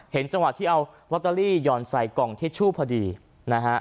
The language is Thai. จังหวะที่เอาลอตเตอรี่หย่อนใส่กล่องทิชชู่พอดีนะฮะ